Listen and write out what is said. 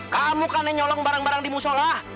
kamu kan yang nyolong barang barang di mu sholat